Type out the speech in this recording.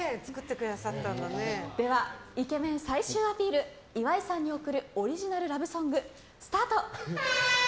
では、イケメン最終アピール岩井さんに贈るオリジナル・ラブソングスタート。